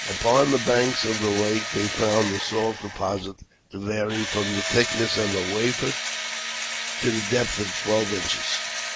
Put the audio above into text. Upon the banks of the lake they found the salt deposit to vary from the thickness of a wafer to the depth of twelve inches.